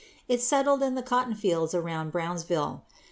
It settled in the cotton fields around Brownsville.